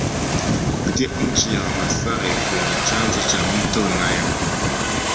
Kupitia nchi ya Wamasai kwenye chanzo cha mto Nile